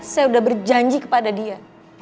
saya sudah berjanji kepada dia